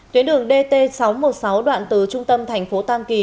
tuyến đường dt sáu trăm một mươi sáu đoạn từ trung tâm thành phố tam kỳ